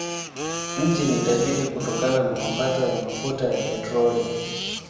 Nchi ni tajiri kutokana na mapato ya mafuta ya petroli.